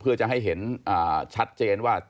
เพื่อจะให้เห็นชัดเจนว่า